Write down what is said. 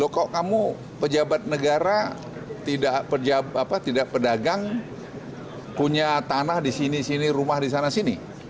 kok kamu pejabat negara tidak pedagang punya tanah di sini sini rumah di sana sini